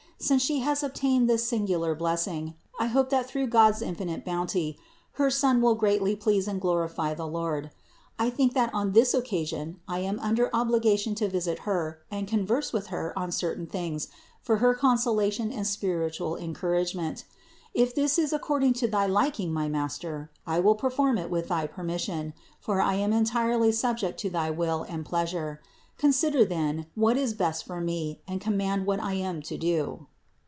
Since she has obtained this singular blessing, I hope that through God's infinite bounty, her Son will greatly please and glorify the Lord. I think that on this occasion I am under obligation to visit her and converse with her on certain things for her consolation and spiritual encouragement. If this is ac cording to thy liking, my master, I will perform it with thy permission, for I am entirely subject to thy will and pleasure. Consider then what is best for me and com mand what I am to do."